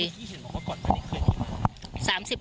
ไม่เคยมีเลย